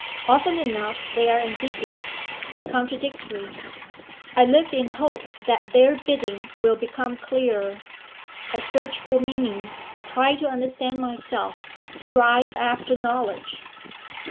Often enough they are ambiguous, contradictory; I live in hope that their bidding will become clearer. I search for meanings, try to understand myself, strive after knowledge.'